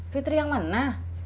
fitri yang mana